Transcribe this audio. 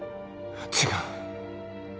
違う。